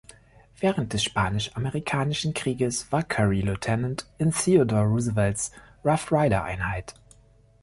Während des Spanisch-Amerikanischen Krieges war Curry Leutnant in Theodore Roosevelts Rough-Rider-Einheit.